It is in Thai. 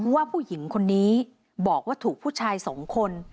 ว่าผู้หญิงคนนี้บอกว่าถูกผู้ชายสองคน